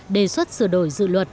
đề xuất sửa đổi dự luật